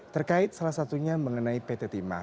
terkait salah satunya mengenai pt timah